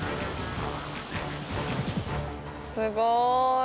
すごい！